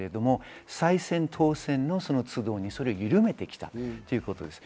再選・当選の都度にそれをゆるめてきたということです。